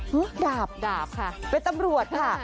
ดาบดาบค่ะเป็นตำรวจค่ะ